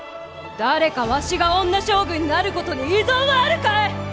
誰かわしが女将軍になることに異存はあるかえ！